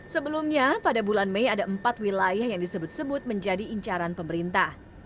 sebelumnya pada bulan mei ada empat wilayah yang disebut sebut menjadi incaran pemerintah